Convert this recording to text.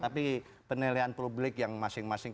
tapi penilaian publik yang masing masing